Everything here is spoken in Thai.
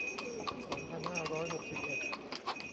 สองพันห้าร้อยหกสิบเอ็ด